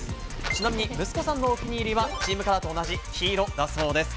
ちなみに、息子さんのお気に入りは、チームカラーと同じ黄色だそうです。